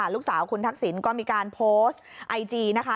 ลูกสาวคุณทักษิณก็มีการโพสต์ไอจีนะคะ